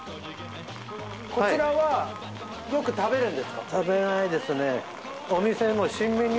こちらはよく食べるんですか？